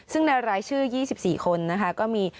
ซึ่งในรายชื่อ๒๔คนนะคะก็มี